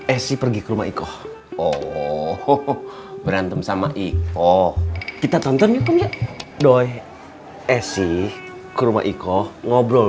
esy pergi ke rumah ikoh oh berantem sama ikoh kita tonton yuk doi esy ke rumah ikoh ngobrol